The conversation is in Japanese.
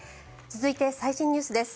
続いて、最新ニュースです。